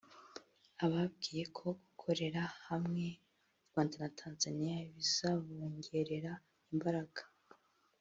Ababwiye ko gukorera hamwe (u Rwanda na Tanzania) bizabongerera imbaraga